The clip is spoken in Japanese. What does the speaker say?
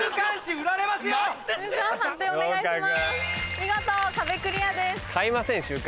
見事壁クリアです。